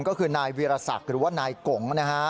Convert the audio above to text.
ก็คือนายวีรศักดิ์หรือว่านายกงนะฮะ